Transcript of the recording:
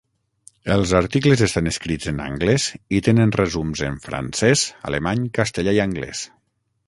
Els articles estan escrits en anglès i tenen resums en francès, alemany, castellà i anglès.